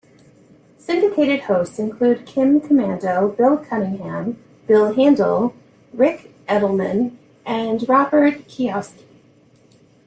Syndicated hosts include Kim Komando, Bill Cunningham, Bill Handel, Ric Edelman and Robert Kiyosaki.